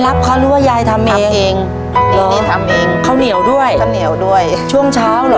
ทับผลไม้เยอะเห็นยายบ่นบอกว่าเป็นยังไงครับ